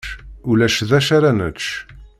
Ulac d acu ara nečč.